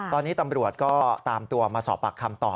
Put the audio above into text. ตอนนี้ตำรวจก็ตามตัวมาสอบปากคำต่อ